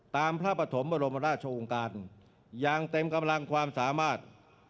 ตามพระปฐมบรมราชวงศ์การอย่างเต็มกำลังความสามารถ